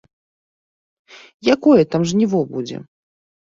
Якое там жніво будзе!